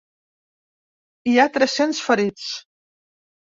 Hi ha tres-cents ferits.